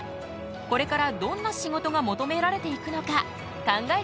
これからどんな仕事が求められていくのか考えてみよう。